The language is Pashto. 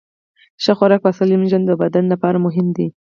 ښه خوراک او سالم ژوند د بدن لپاره مهم دي.